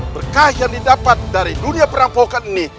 berkah yang didapat dari dunia perampokan ini